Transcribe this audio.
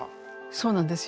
そうなんですよ。